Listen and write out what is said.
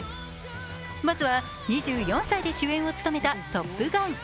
まずは２４歳で主演を務めた「トップガン」。